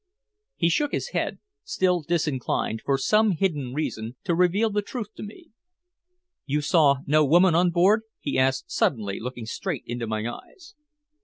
He shook his head, still disinclined, for some hidden reason, to reveal the truth to me. "You saw no woman on board?" he asked suddenly, looking straight into my eyes.